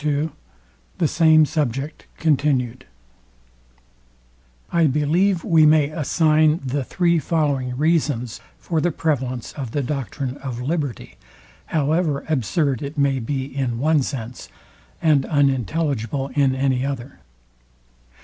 II THE SAME SUBJECT CONTINUed I believe we may assign the three following reasons for the prevalance of the doctrine of liberty, however absurd it may be in one sense, and unintelligible in any other.